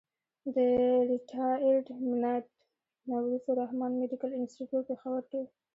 د ريټائرډ منټ نه وروستو رحمان مېډيکل انسټيتيوټ پيښور کښې